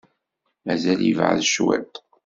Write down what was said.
Mazal yebɛed cwiṭ.